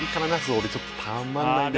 俺ちょっとたまんないね